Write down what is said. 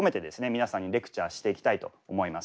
皆さんにレクチャーしていきたいと思います。